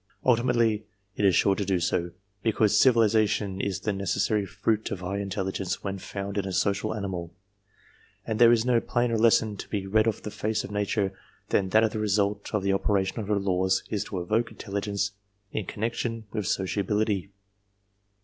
Ulti mately it is sure to do so, because civilization is the necessary fruit of high intelligence when found in a social animal, and there is no plainer lesson to be read off the face of Nature than that the result of the operation of her laws is to evoke intelligence in connexion with sociability.